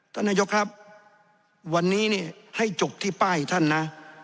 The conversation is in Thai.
ต้อนนายกครับวันนี้ให้จบที่ป้ายท่านนะ